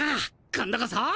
今度こそ！